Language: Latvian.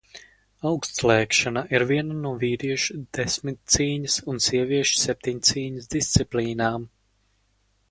Augstlēkšana ir viena no vīriešu desmitcīņas un sieviešu septiņcīņas disciplīnām.